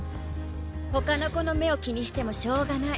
ほかの子の目を気にしてもしょうがない。